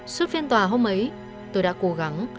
suốt phiên tòa hôm ấy tôi đã cố gắng